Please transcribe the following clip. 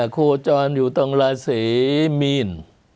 โคจรอยู่ตรงราศีมีน